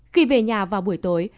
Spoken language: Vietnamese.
khi về nhà vào buổi tối